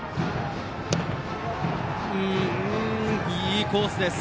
いいコースです。